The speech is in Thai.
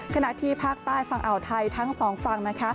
ขณะที่ภาคใต้ฝั่งอ่าวไทยทั้งสองฝั่ง